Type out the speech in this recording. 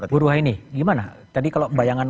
buru haini gimana tadi kalau bayangan